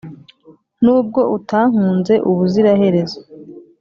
Nubwo utankunze ubuziraherezo